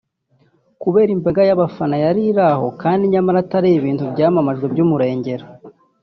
kubera imbaga y’abafana yari iraho kandi nyamara atari ibintu byamamajwe by’umurengera